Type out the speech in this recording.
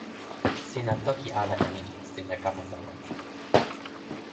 sina toki ala e ni: sina kama tawa mi.